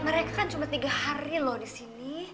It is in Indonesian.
mereka kan cuma tiga hari lho disini